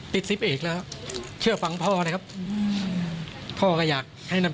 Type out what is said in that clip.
สิบเอกแล้วเชื่อฟังพ่อนะครับพ่อก็อยากให้นั่น